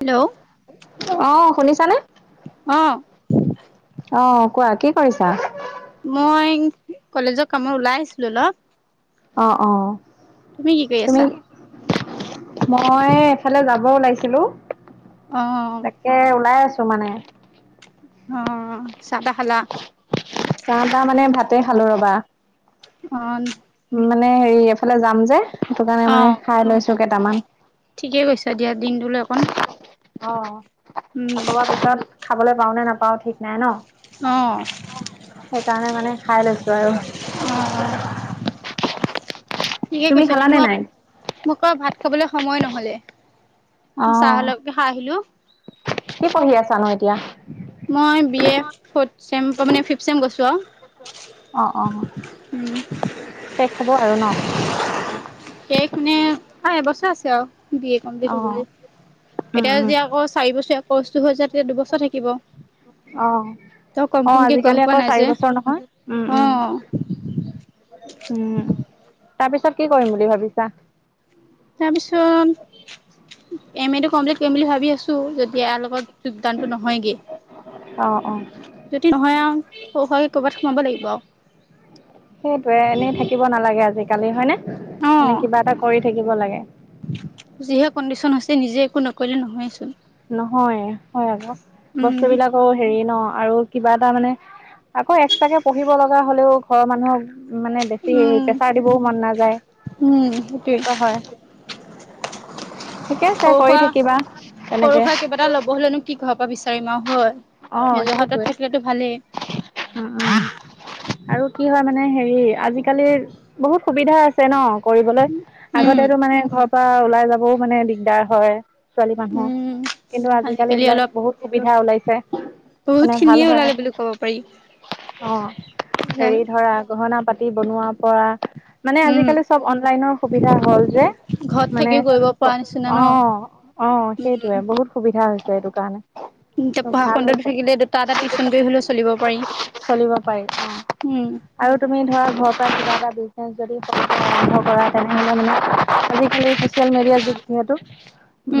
Hello অঁ শুনিছানে? [unintelligible] অঁ [unintelligible] অঁ! কোৱা কি কৰিছা? [unintelligible] মই কলেজৰ কামত ওলাই আহিছিলোঁ অলপ। [unintelligible] অঁ-অঁ। [inaudible] তুমি কি কৰি আছা? মই এফালে যাব ওলাইছিলোঁ। [inaudible] অঁ। তাকে ওলাই আছোঁ মানে। অঁ! চাহ-তাহ খালা? [inaudible] চাহ-তাহ মানে ভাতে খালোঁ ৰবা। [inaudible] অঁ [unintelligible] উম, মানে হেৰি এইফালে যাম যে সেইটো কাৰণে অ মানে খাই লৈছো কেইটামান। [unintelligible] ঠিকে কৈছা দিয়া দিনটোলৈ অকণ। [unintelligible] অঁ! উম আকৌ বা পিছত খাবলৈ পাওঁ নে নাপাওঁ ঠিক নাই ন। [inaudible] অঁ [inaudible] সেইকাৰণে মানে খাই লৈছোঁ আৰু। অ [unintelligible] ঠিকে তুমি কৈছা দিয়া [unintelligible] খালানে নাই মোক-মোক আৰু ভাত খাবলৈ সময় নহলে। চাহ অঁ। অলপকে খাই আহিলো কি পঢ়ি আছা নো এতিয়া? [unintelligible] মই বিএ ফ'ৰ্থ চেম মানে ফিফথ চেম গৈছোঁ আৰু। [unintelligible] অঁ-অঁ! শেষ হব আৰু ন? [unintelligible] শেষ মানে আৰু এবছৰ আছে আৰু বি এ অ কমপ্লিট হবলে। [unintelligible] উম এতিয়া উম যদি আকৌ চাৰি বছৰীয়া কৰ্চটো হৈ যায় তেতিয়া দুবছৰ থাকিব। [unintelligible] অঁ! ত অঁ কনফাৰ্মকে গম আজিকালি পোৱা আকৌ নাই চাৰি যে বছৰ নহয় উম-উম অ', [unintelligible] উম! তাৰ পিছত কি কৰিম বুলি ভাবিছা? [unintelligible] তাৰ পিছত [inaudible] এমএটো কমপ্লিট কৰিম বুলি ভাবি আছোঁ [unintelligible] [unintelligible] যদি ইয়াৰ লগত যোগদানটো নহয়গে। অঁ-অঁ। যদি নহয় আৰু সৰু সোৱাকে কৰ'বাত সোমাব লাগিব আৰু। [unintelligible] সেইটোৱেই এনেই থাকিব নালাগে আজিকালি হয় নে, মানে অ'। কিবা এটা কৰি [inaudible] থাকিব লাগে। [unintelligible] যিহে কণ্ডিচন হৈছে, নিজে একো নকৰিলে নহয় চোন। [unintelligible] নহয় হয় আকৌ বস্তুবিলাক [unintelligible] আকৌ হেৰি ন আৰু কিবা এটা মানে আকৌ এক্সট্ৰাকে পঢ়িব লগা হলেও ঘৰৰ মানুহক [inaudible] মানে বেছি উম, প্ৰেছাৰ দিবও মন নাযায়, উম, সেইটোৱে। তেনেকুৱা হয়। [inaudible] ঠিকে আছে, কৰি থাকিবা। [inaudible] সৰু-সুৰা কিবা এটা ল'ব হলেনো কি কৰিব পৰা বিচাৰিম আৰু হয়। [unintelligible] অঁ নিজৰ হাতত সেইটোৱেই থাকিলেতো ভালেই [inaudible] উম-উম। আৰু কি হয় মানে হেৰি আজিকালিৰ বহুত সুবিধা আছ [unintelligible] চে ন, কৰিবলৈ উম, আগতেতো মানে ঘৰৰ পৰা ওলাই যাবও মানে দিগদাৰ হয়। ছোৱালী মানুহৰ, উম। কিন্তু আজিকালি এইবিলাক বহুত সুবিধা ওলাইছে। বহুত মানে ভাল খিনিয়ে হয়। ওলালে বুলি ক'ব পাৰি। অহ হেৰি ধৰা, গহনা পাতি বনোৱাৰ পৰা মানে উম, আজিকালি চব অনলাইনৰ সুবিধা হল যে। ঘৰত মানে থাকিও কৰিব পৰা নিচিনা ন' অহ অ'হ উম। সেটোৱে বহুত সুবিধা হৈছে এইটো কাৰণে। এতিয়া পঢ়া ভাল খন্দ থাকিলে হৈছে দুটা এটা টিউশ্যন কৰি হ'লেও চলিব পাৰি। উপায় অহ উম আৰু, তুমি ধৰা ঘৰৰ পৰা কিবা এটা বিজনেছ যদি আৰম্ভ কৰা তেনেহলে মানে আজিকালি, ছ'চিয়েল মিডিয়াৰ যুগ যিহেতু,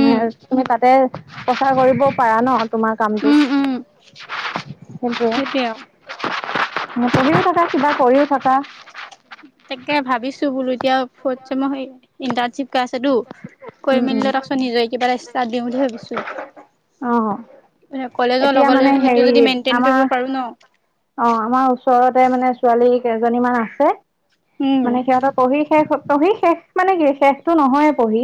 উম তুমি তাতে প্ৰচাৰ কৰিব পাৰা ন তোমাক। কামটো। উম উম সেইটোৱেই সেইটোৱে আৰু মুকলিও থাকা কিবা কৰিও থকা। তাকে ভাবিছোঁ বোলো এতিয়া ফ্ৰটচেমৰ ইন্টৰশ্বিপ কা আছেতো কৈ উম উম মেলি তাৰ পিছত নিজে কিবা এ ইস্তাত দিম বুলি ভাবিছোঁ অ কলেজৰ এতিয়া মানে নগলেও সেইটো যদি মেইন্টেইন কৰিব পাৰোঁ ন, অহ' আমাৰ ওচৰতে মানে ছোৱালী কেইজনী মান আছে। উম মানে সিহঁতৰ পঢ়ি শেষ, পঢ়ি শেষ মানে কি শেষটো নহয়ে পঢ়ি।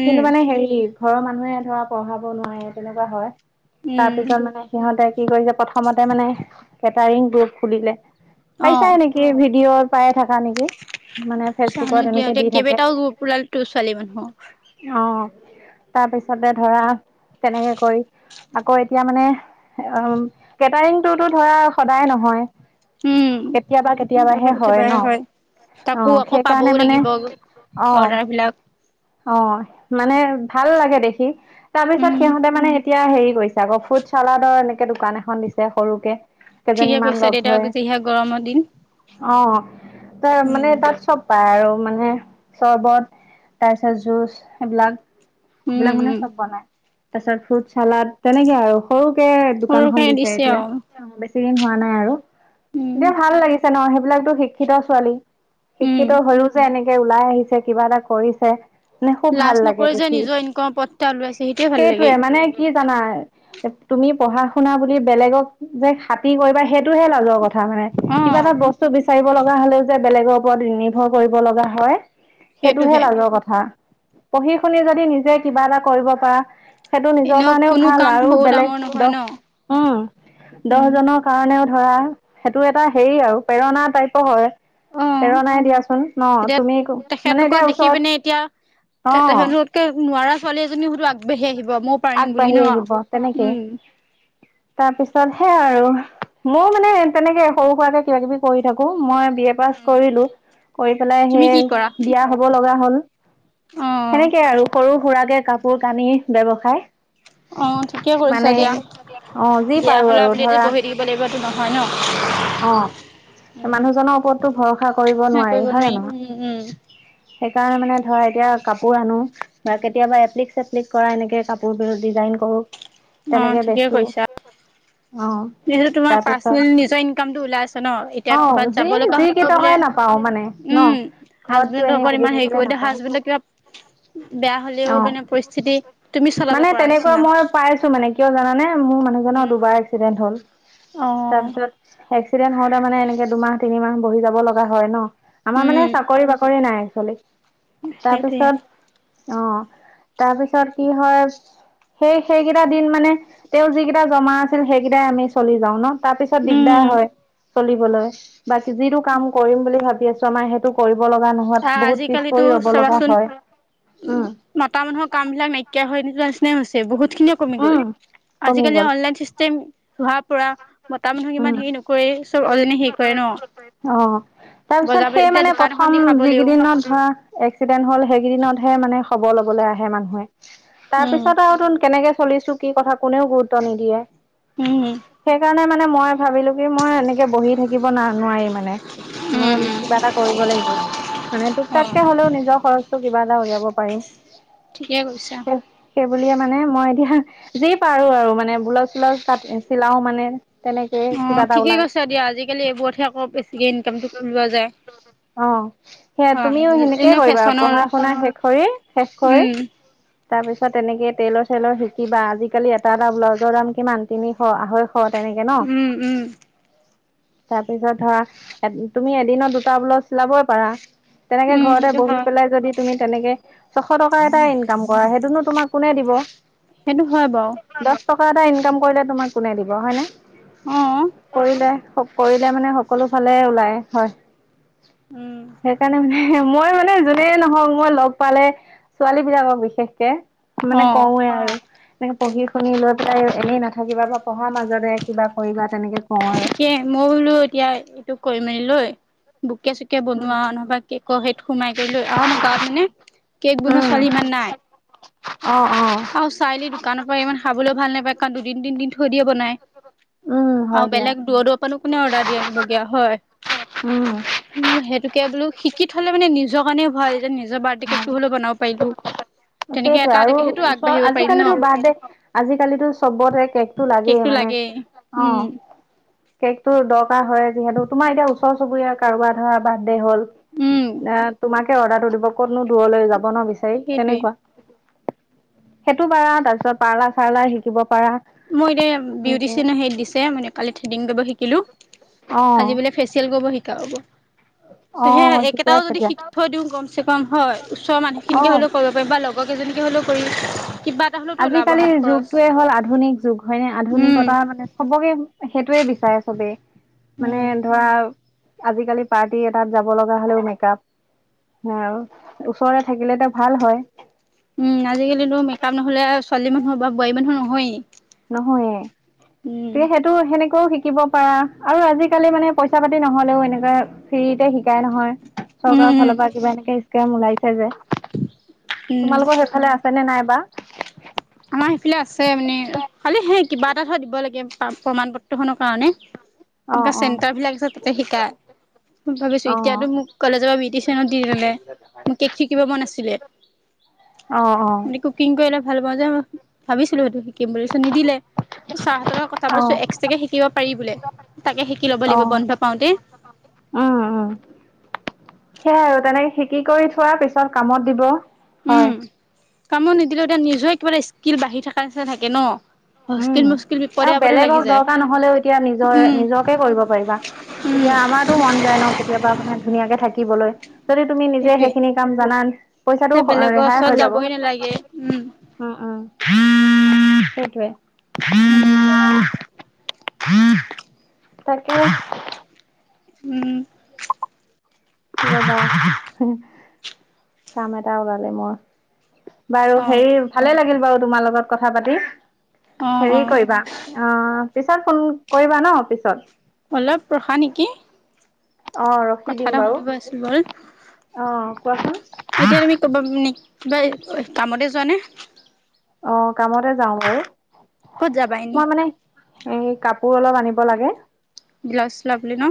উম কিন্তু মানে হেৰি, ঘৰৰ মানুহে ধৰা পঢ়াব নোৱাৰে তেনেকুৱা হয়। উম তাৰপিছত মানে সিহঁতে কি কৰিছে প্ৰথমতে মানে কেটাৰিং গ্ৰুপ খুলিলে। অ পাইছা নেকি ভিডিঅ' পায়ে থাকা নেকি, মানে চাওঁ নো ফেচবুকত কিয় এনেকে এতিয়া দি কেইবাটাও গ্ৰুপ ওলালতো ছোৱালী মানুহ অ'হ তাৰপিছতে ধৰা তেনেকে কৰি। আকৌ' এতিয়া মানে অহ কেটাৰিংটো ধৰা সদায় নহয়। উম কেতিয়াবা কেতিয়াবা হে বাৰে হয় বাৰে ন। অ'হ তাকো আকৌ সেইকাৰণে পাবও মানে লাগিব অৰ্ডাৰ বিলাক অহ' অ'হ মানে ভাল লাগে দেখি তাৰপিছত উম সিহঁতে মানে, এতিয়া হেৰি কৰিছে আকৌ ফুড চালাডৰ এনেকে দোকান এখন দিছে সৰুকে। ঠিকে কেইজনীমান কৈছা লগ দেউতা হৈ। যিহে গৰমৰ দিন অহ' তই উম মানে তাত চ'ব, পায় আৰু মানে চৰ্বত তাৰপিছত জুচ সেইবিলাক। উম এইবিলাক মানে উম চব বনাই তাৰ পিছত ফ্ৰুট চালাড তেনেকে আৰু। সৰুকে সৰুৰ দোকানখন কাৰণে দিছে এতিয়া। আৰু কাম ' বেছি দিন হোৱা নাই আৰু উম দিয়া ভাল লাগিছে ন সেইবিলাকতো শিক্ষিত ছোৱালী। উম শিক্ষিত হ'য়ো যে এনেকে ওলাই আহিছে কিবা এটা কৰিছে। মানে খুব ভাল লাজ লাগে নকৰি যে দেখি। নিজৰ ইনকমৰ পথ এটা ওলাইছে সেইটোৱে ভাল লাগে সেইটোৱেই মানে, কি জানা, তুমি পঢ়া শুনা বুলি বেলেগক যে খাতি কৰিবা সেইটোহে লাজ কথা। কথা মানে অ কিবা এটা বস্তু বিচাৰিব লগা হলেও যে বেলেগৰ ওপৰত নিৰ্ভৰ কৰিব লগা হয়। সেইটোহে লাজৰ কথা। পঢ়ি শুনি যদি নিজে কিবা এটা কৰিব পাৰা। সেইটো নিজৰ এনেও কাৰণেও কোনো ভাল কাম আৰু সৰু ডাঙৰ বেলেগ নহয় ন দহ উম' উম দহজনক কাৰণেও ধৰা, সেইটো এটা হেৰি আৰু প্ৰেৰণা টাইপৰ হয়। অ প্ৰেৰণাই দিয়াচোন ন, এতিয়া তুমি মানে তেখেতলোকক এতিয়া ওচৰত অ'হ কে নোৱাৰা ছোৱালী এজনীও বোলো ছোৱালী আগবাঢ়ি আহিব ময়ো পাৰিম বুলি আগবাঢ়ি ন উম' তাৰপিছত সেয়া আৰু। ময়ো মানে তেনেকে সৰু সৰুকে কিবা কিবি কৰি থাকো। মই বি এ পাছ উম কৰিলো কৰি পেলাই তুমি কি সেই কৰা বিয়া হব লগা হ'ল। অ সেনেকে আৰু সৰু সৰুৰাকে কাপোৰ কানি ব্যৱসায়। অহ' ঠিকে কৈছা মানে দিয়া। অ' যি দিয়া পাৰোঁ হ'লে আৰু বুলি ধৰা, বহি থাকিব লাগিবতো নহয় ন অ, মানুহজনৰ ওপৰতো ভৰসা কৰিব সেয়া নোৱাৰি হয় নে নহয়। উম উম সেইকাৰণে মানে ধৰা এতিয়া কাপোৰ আনো বা কেতিয়াবা এপ্লিক চেপ্লিক কৰা এনেকে কাপোৰ ক ডিজাইন কৰো অ তেনেকে বেচো অ যিহে তোমাৰ পাৰ্চনেল তাৰপিছত নিজৰ ইনকামটো ওলাই আছো ন এতিয়া অ ক'বাত যি যাব লগা যি হ'ব বোলে কেইটকাই নাপাও মানে ন উম ঘৰতটো হাজবেণ্ডৰ এনেই ওপৰত বহি ইমান হেৰি থাকিলে কৰিব নাপাও হাজবেণ্ডে কিবা বেয়া হলেও অ মানে পৰিস্থিতি তুমি চলাব মানে পৰা তেনেকুৱা নিচিনা মই পাইছো মানে কিয় জানানে মোৰ মানুহজনৰ উম দুবাৰ এক্সিডেণ্ট হ'ল অ তাৰ পিছত এক্সিডেণ্ট হওঁতে মানে এনেকে দুমাহ তিনিমাহ বহি যাব লগা হয় ন আমাৰ মানে উম চাকৰি বাকৰি নাই একচোৱেলি সেইটোৱে তাৰপিছত অ তাৰপিছত কি হয়। সেই সেইকেইটা দিন মানে তেওঁ যি কেইটা জমা আছিল সেইকেইটাই আমি চলি যাও ন। তাৰ পিছত উম দিগদাৰ হয় চলিবলৈ বাকী যিটো কাম কৰিম বুলি ভাবি আছো আমাৰ সেইটো কৰিব লগা নহয়। বহুত পিছ আজিকালিতো পৰি ৰব লগা চাবাচোন হয় উম মতা মানুহৰ কাম বিলাক নাইকিয়া হৈ যোৱাৰ নিচিনা হৈছে বহুত ‌ খিনি কমি গ'ল উম কমি আজিকালি গ'ল অনলাইন চিষ্টেম হোৱাৰ পৰা মতা মানুহক উম ইমান হেৰি নকৰে চব অৰ্জনে হেৰি কৰে ন অ তাৰপিছত বজাৰ ব সেই এতিয়া মানে দোকান এখন প্ৰথম দি খাবলৈও যিকেদিন ত ধৰা এক্সিডেণ্ট হ'ল সেই কেইদিনতহে মানে খবৰ লবলৈ আহে মানুহে তাৰ উম পিছতো তুন কেনেকে চলিছো কি কথা কোনেও গুৰুত্ব নিদিয়ে। উম সেই কাৰণে মানে মই ভাবিলো কি মই এনেকে বহি থাকিব ন নোৱাৰিম। মই উম উম কিবা এটা কৰিব লাগিব মানে তোক অ', তাককে হ'লেও নিজৰ খৰচটো কিবা উলিয়াব পাৰিম। ঠিকে কৈছা। সেই বুলিয়ে মানে মই এতিয়া যি পাৰো আৰু মানে ব্লাউজ চালাউজ কাট চিলাও মানে তেনেকে অ কিবা এটা ঠিকে ওলাই কৈছে দিয়া আজিকালি এইবোৰতহে আকৌ বেছিকে ইনকামতটো ওলোৱা যায় অ সেয়া হয় তুমিও সেনেকে এনে কৰিবা ফেশ্বনৰ পঢ়া শুনা শেষ শেষ কৰি। উম তাৰপিছত তেনেকে তেলৰ চলৰ শিকিবা আজিকালি এটা এটা ব্লাউজৰ দাম কিমান তিনিশ আঢৈশ খ তেনেকে ন উম উম তাৰপিছত ধৰা তুমি এদিনত দুটা ব্লাউজ চিলাবই পাৰা তেনেকে উম ঘৰতে সেইটো বহি হয় পেলাই যদি তুমি তেনেকে ছশ টকাৰ এটা ইনকাম কৰা সেইটোনো তোমাক কোনে দিব সেইটো হয় বাৰু। দহ টকা এটা ইনকাম কৰিলে তোমাক কোনে দিব হয় অ ন কৰিলে কৰিলে মানে সকলো ফালে ওলায় হয় উম সেইকাৰণে মানে মই মানে যোনে নহওক মই লগ পালে ছোৱালী বিলাকক বিশেষকে অ মানে কওঁৱে আৰু এনে পঢ়ি শুনি লৈ পেলাই এনেই নাথাকিবা বা পঢ়াৰ মাজতে কিবা কৰিবা তেনেকে কওঁ আৰু। ঠিকেই মই বোলো এতিয়া এইটো কৰি মেলি লৈ বুকে চুকে কে বনোৱা উম নহবা কেকৰ সেই সোমাই কৰি লৈ আৰু আমাৰ গাঁৱত মানে কেক বনোৱা ছোৱালী ইমান উম নাই। অ অ অ চাৰিআলি দোকানৰ পৰা ইমান খাবলৈ ভাল নাপায় কাৰণ দুদিন তিনদিন থৈ দিয়ে বনাই উম আৰু হয় দিয়া বেলেগ দূৰৰ দূৰৰ কোনে অৰ্ডাৰ দি আনিব গে হয়। উম উম সেইটোকে বোলো শিকি থ হলে মানে নিজৰ কাৰণে ভাল। যে নিজৰ বাৰ্থডে কেক ভাল টো হলেও বনাব পাৰিলো তেনেকে এটা এনেকে। ওচৰৰ আজি কালিতো বাৰ্থডে আজিকালি চবতে কেকতটো লাগেই মানে। অ উম। কেকটো দৰকাৰ হয় যিহেতু তোমাৰ এতিয়া ওচৰ চুবুৰিয়াৰ কাৰোবাৰ ধৰা বাৰ্থডে হ'ল। উম এ তোমাকে অৰ্ডাৰটো দিব কতনো দূৰলৈ যাব ন বিচাৰি সেইটোৱে। তেনেকুৱা। সেইটো পাৰা তাৰ পিছত পাৰ্লা চাৰ্লাৰ শিকিব পাৰা। মোৰ এতিয়া এনেকে বিউটিচিয়ান হেই দিছে মই কালি থ্ৰেডিং কৰিব শিকিলো। অ আজি বোলে ফেচিয়েল কৰিব শিকাব। সে অ ঠিকে একেটাও আছে যদি দিয়া শিকি দিওঁ কম চে কম হয় ওচৰৰ মানুহখিনিকে অ হলেও ক- বা লগৰ কেইজনীকে হ'লেও কৰি কিবা এটা হ'লেওতো ওলাব হাত আজিকালিৰ খৰচ। যুগটোৱে হ'ল আধুনিক যুগ হয়নে উম, আধুনিকতাৰ মানে চবকে। সেইটোৱে বিচাৰে চবেই মানে উম, ধৰা। আজিকালি পাৰ্টি এটাত যাব লগা হ'লেও মেকাপ। হ ওচৰতে থাকিলেতি ভাল হয়। উম আজিকালিতো মেকআপ নহ'লে ছোৱালী মানুহৰ বা বোৱাৰী মানুহৰ নহয়ে। নহয়ে তে সেইটো সেনেকেও শিক শিকিব পাৰা আৰু আজিকালি মানে পইচা পাতি নহলেও এনেকুৱা ফ্ৰীতে শিকাই নহয়। উম, চৰকাৰৰ উম, ফালৰ পৰা কিবা এনে স্কেম ওলাইছে যে উম, তোমালোকৰ সেইফালে আছে আছেনে নাইবা? আমাৰ সেইফালে আছে মানে খালি সেই কিবা এটা থ দিব লাগে প্ৰমণ পত্ৰ খনৰ কাৰণে। অ এনে অ চেণ্টাৰ বিলাক যে তাতে শিকাই ভাবিছো অ এতিয়াতো মোক। কলেজৰ পৰা বিউটিচনত দি ল'লে মোক কেক শিকিব মন আছিলে। অঁ অঁ। মানে কুকিং কৰিলে ভাল পাওঁ যে ভাবিছিলো সেইটো শিকিম বুলি নিদিলে। ছাৰহতৰ লগত কথা অ অ পাতিছো এক্সট্ৰাকে শিকিব পাৰি বোলে তাকে শিকি ল'ব লাগিব বন্ধ পাওঁতে। উ উম। সেয়াই আৰু তেনেকে শিকি কৰি থোৱা পিছত কামত দিব হয়। উম। কামত নিদিলেও এতিয়া নিজৰে কিবা এটা স্কিল বাঢ়ি থকা নিচিনা থাকে ন। উম হস্কিল মুস্কিল বিপদে আৰু আপদে লাগি বেলেগক যায়। দৰকাৰ নহলেও এতিয়া নিজৰ উম নিজৰ কৰিব পাৰিবা উম এতিয়া আমাৰো মন যায় ন কেতিয়াবা মানে ধুনীয়াকে থাকিবলৈ। যদি তুমি নিজে সেইটোৱে। সেইখিনি কাম জনান তে পইচাটো বেলেগৰ ৰেহাই ওচৰত হৈ যাব। যাবই নালাগে উম অ উ সেইটোয়ে। তাকে। উম। কাম এটা ওলালে মোৰ। বাৰু অ। হেৰি ভালে লাগিল বাৰু তোমাৰ লগত কথা পাতি অ অ হেৰি কৰিবা। অঁ পিছত ফোন কৰিবা ন পিছত। অলপ ৰখা নেকি? অ ৰখি কথা দিম এটা বাৰু সুধিব আছিল বাৰু। অ কোৱাচোন? [unintelligible] কিবা কামতে যোৱা নে? অঁ, কামতে যাওঁ বাৰু ক'ত যাবা এনে? মই মানে। এই কাপোৰ অলপ আনিব লাগে। ব্লাউজ ছিলাবলে ন।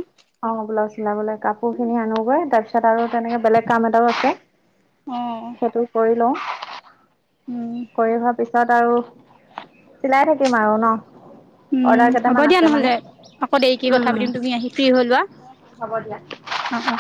অঁ, ব্লাউজ চিলাবলৈ কাপোৰ খিনি আনোগৈ তাৰপিছত [unintelligible] আৰু তেনেকে বেলেগ কাম এটাও আছে অ সেইটো কৰি লওঁ। উম। কৰি হোৱাৰ পিছত আৰু চিলাই থাকিম আৰু নহ। উম হ'ব দিয়া নহ'লে আকৌ দেৰিকে কথা পাতিম তুমি আহি ফ্ৰী হৈ লোৱা। হ'ব দিয়া। অ, অ।